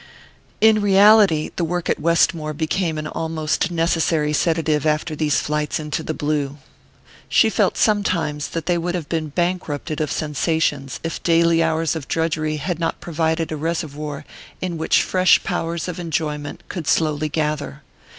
In reality, the work at Westmore became an almost necessary sedative after these flights into the blue. She felt sometimes that they would have been bankrupted of sensations if daily hours of drudgery had not provided a reservoir in which fresh powers of enjoyment could slowly gather.